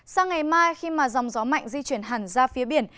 sang ngày mai khi mà dòng gió mạnh di chuyển hẳn ra phía biển